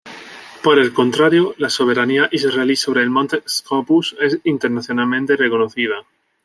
Por el contrario, la soberanía israelí sobre el Monte Scopus es internacionalmente reconocida.